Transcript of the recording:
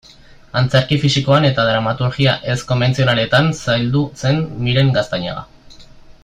Antzerki fisikoan eta dramaturgia ez-konbentzionaletan zaildu zen Miren Gaztañaga.